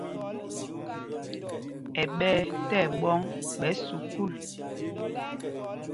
Ɛ́ ɓɛ̄y tí ɛɓɔ̌ŋ ɓɛ̌ sukûl.